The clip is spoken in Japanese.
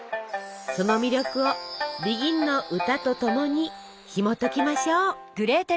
その魅力を「ＢＥＧＩＮ」の歌と共にひもときましょう。